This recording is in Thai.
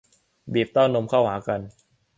บีบเต้านมเข้าหากัน